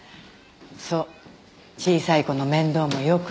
そう小さい子の面倒もよく見てくれて。